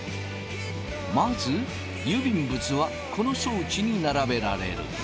まず郵便物はこの装置に並べられる。